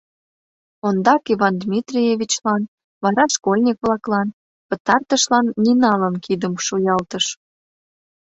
Ондак Иван Дмитриевичлан, вара школьник-влаклан, пытартышлан Ниналан кидым шуялтыш.